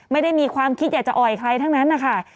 ไม่ได้มีความคิดอยากจะอ่อยใครทั้งนั้นนะคะ